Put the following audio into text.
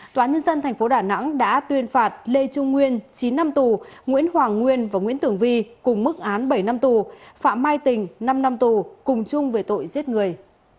tòa nhân dân tp đà nẵng đã tuyên phạt lê trung nguyên chín năm tù nguyễn hoàng nguyên và nguyễn tưởng vi cùng mức án bảy năm tù phạm mai tình năm năm tù cùng chung về tội giết người